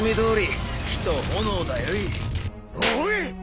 おい！